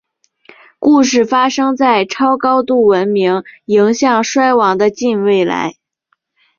故事发生在超高度文明迎向衰亡的近未来。